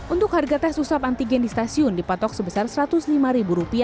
untuk harga tes usap antigen di stasiun dipatok sebesar rp satu ratus lima